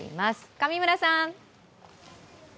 上村さん。